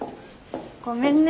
ごめんね。